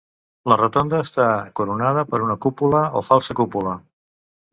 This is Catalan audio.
La rotonda està coronada per una cúpula o falsa cúpula.